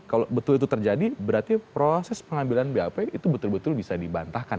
kalau betul itu terjadi berarti proses pengambilan bap itu betul betul bisa dibantahkan